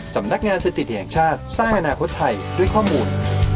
สำนักงานสถิติแห่งชาติสร้างอนาคตไทยด้วยข้อมูล